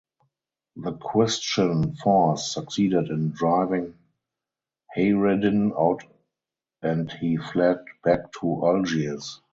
The Christian force succeeded in driving Hayreddin out and he fled back to Algiers.